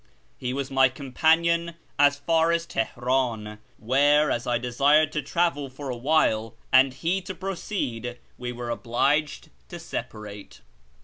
He was my companion as far as Teheran, where, as I desired to tarry for a while, and he to proceed, we were obliged to separate.